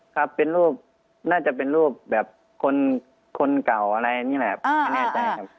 ครับเป็นรูปน่าจะเป็นรูปแบบคนเก่าอะไรนี่แหละไม่แน่ใจครับ